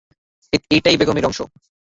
এইটা বেগমের অংশ।